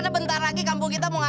yang bumbang tuh gak begitu amat ya